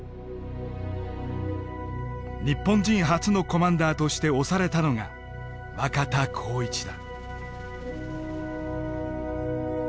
日本人初のコマンダーとして推されたのが若田光一だ。